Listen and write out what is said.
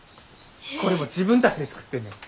これも自分たちで作ってんねん。